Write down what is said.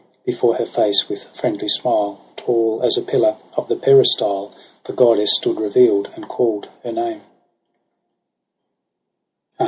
before her face with friendly smile. Tall as a pillar of the peristyle. The goddess stood reveal'd, and call'd her name.